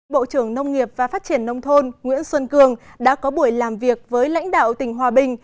bộ trưởng nông nghiệp và phát triển nông thôn nguyễn xuân cường đã có buổi làm việc với lãnh đạo tỉnh hòa bình